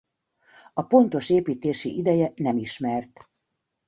A pontos építési ideje nem ismert.